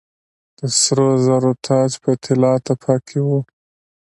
د سرو زرو تاج په طلا تپه کې و